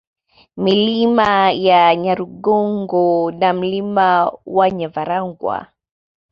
Milima ya Nyarugongo na Mlima wa Nyavarwanga